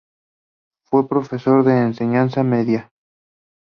Fue profesor de enseñanza media.